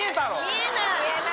見えない。